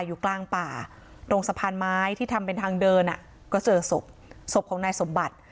อยู่กลางป่าตรงสะพานไม้ที่ทำเป็นทางเดินอ่ะก็เจอศพศพของนายสมบัติ